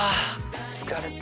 疲れた。